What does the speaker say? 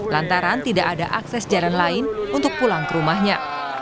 lantaran tidak ada akses jalan lain untuk pulang ke rumahnya